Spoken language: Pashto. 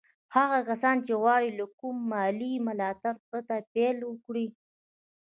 هغه کسان چې غواړي له کوم مالي ملاتړ پرته پيل وکړي.